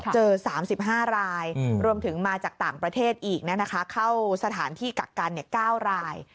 เจอ๓๕รายรวมถึงมาจากต่างประเทศอีกเข้าสถานที่กักกัน๙ราย